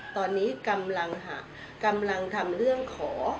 ตอนนี้กำลังทำเรื่องขอ